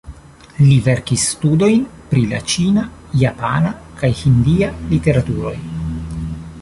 Li verkis studojn pri la ĉina, japana kaj hindia literaturoj.